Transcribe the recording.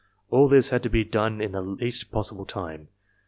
All this had to be done in the least possible time.